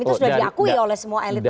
itu sudah diakui oleh semua elit